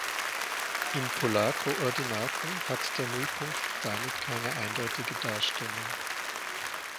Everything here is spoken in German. In Polarkoordinaten hat der Nullpunkt damit keine eindeutige Darstellung.